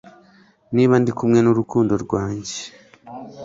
Niba ndi kumwe n'urukundo rwanjye